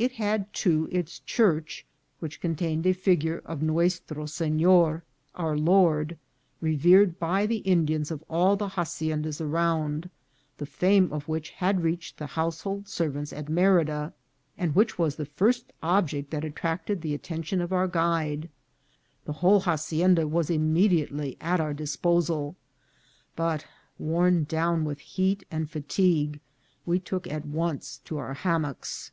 It had, too, its church, which contained a figure of nu estra Senor, " Our Lord," revered by the Indians of all the haciendas around, the fame of which had reached the household servants at Merida, and which was the first object that attracted the attention of our guide. The whole hacienda was immediately at our disposal; but, worn down with heat and fatigue, we took at once to our hammocks.